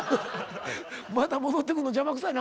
また戻ってくんの邪魔くさいな思て。